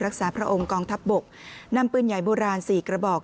พระองค์กองทัพบกนำปืนใหญ่โบราณสี่กระบอก